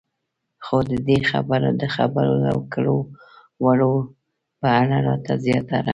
خو د دې د خبرو او کړو وړو په اړه راته زياتره